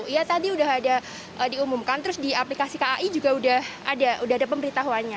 ya tadi udah ada diumumkan terus di aplikasi kai juga udah ada pemberitahuannya